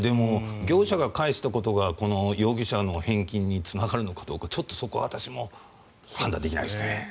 業者が返すということがこの容疑者の返金につながるのかどうかちょっとそこは私も判断できないですね。